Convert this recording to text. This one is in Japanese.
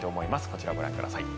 こちらをご覧ください。